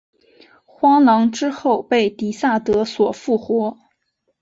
荒狼之后被狄萨德所复活。